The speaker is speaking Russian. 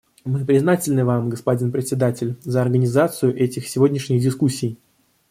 Мы признательны вам, господин Председатель, за организацию этих сегодняшних дискуссий.